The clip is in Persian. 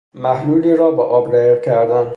محلولی را با آب رقیق کردن